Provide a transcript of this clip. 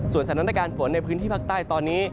สถานการณ์ฝนในพื้นที่ภาคใต้ตอนนี้